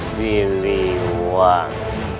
si li wang